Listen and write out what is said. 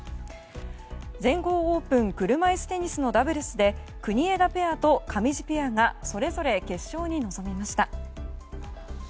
全豪オープン車いすテニスのダブルスで国枝ペアと上地ペアがそれぞれ決勝に臨みました。